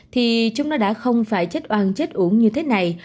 thì chúng nó đã không phải chết oan chết uống như thế này